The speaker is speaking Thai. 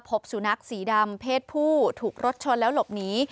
พบสุนัขสีดำเพศผู้ถูกรถชนแล้วหลบหนี